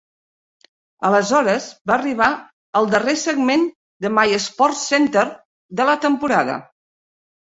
Aleshores va arribar el darrer segment de "My SportsCenter" de la temporada.